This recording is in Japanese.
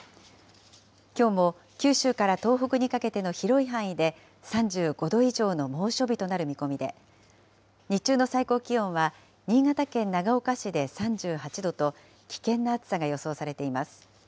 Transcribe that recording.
きょうも九州から東北にかけての広い範囲で３５度以上の猛暑日となる見込みで、日中の最高気温は、新潟県長岡市で３８度と、危険な暑さが予想されています。